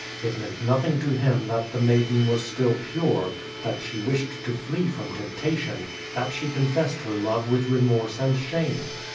It meant nothing to him that the maiden was still pure, that she wished to flee from temptation, that she con fessed her love with remorse and shame.